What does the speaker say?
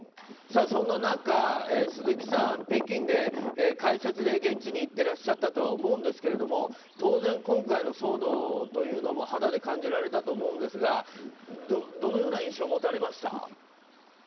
そんな中、鈴木さん、北京で解説で現地に行っていらっしゃったとは思いますが当然、今回の騒動というのも肌で感じられたと思うんですがどのような印象を持たれました？